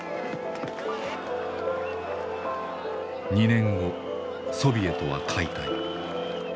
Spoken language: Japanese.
２年後ソビエトは解体。